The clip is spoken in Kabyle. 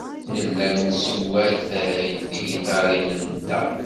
Nella neswatay tigiṭarin-nteɣ.